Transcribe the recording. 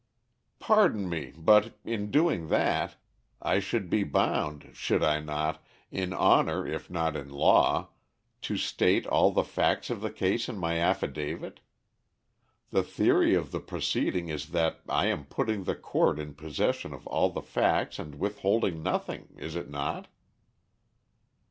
"Pardon me; but in doing that I should be bound, should I not, in honor if not in law, to state all the facts of the case in my affidavit? The theory of the proceeding is that I am putting the court in possession of all the facts and withholding nothing, is it not?"